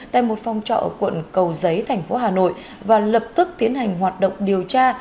tại một phòng trọ ở quận cầu giấy thành phố hà nội và lập tức tiến hành hoạt động điều tra